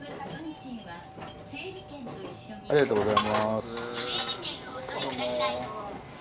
ありがとうございます。